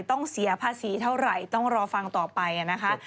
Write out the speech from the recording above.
ต้องเสียภาษีเท่าไหร่ต้องรอฟังต่อไปนะคะ